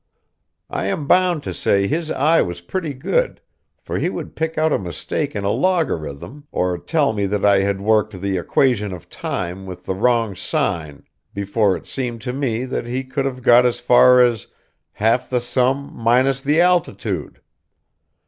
I am bound to say his eye was pretty good, for he would pick out a mistake in a logarithm, or tell me that I had worked the "Equation of Time" with the wrong sign, before it seemed to me that he could have got as far as "half the sum, minus the altitude."